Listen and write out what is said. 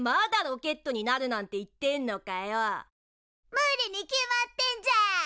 無理に決まってんじゃん！